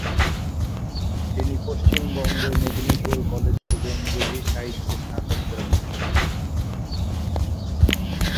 তিনি পশ্চিমবঙ্গের মেদিনীপুর কলেজ থেকে ইংরেজি সাহিত্যে স্নাতক করেছেন।